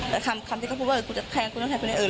แต่คำที่เขาพูดว่ากูจะแทงคุณต้องแทงคนอื่น